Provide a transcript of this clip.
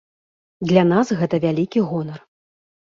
Для нас гэта вялікі гонар.